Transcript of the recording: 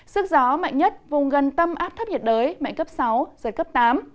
sức gió mạnh nhất vùng gần tâm áp thấp nhiệt đới mạnh cấp sáu giới cấp tám